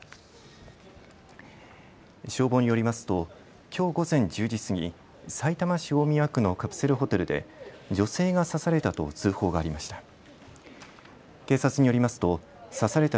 消防によりますときょう午前１０時過ぎさいたま市大宮区のカプセルホテルで女性が刺されたと通報がありました。